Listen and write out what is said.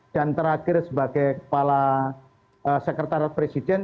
dan terakhir sebagai kepala sekretariat presiden